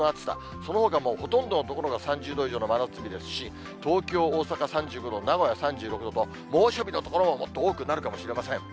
そのほかもほとんどの所が３０度以上の真夏日ですし、東京、大阪３５度、名古屋３６度と、猛暑日の所ももっと多くなるかもしれません。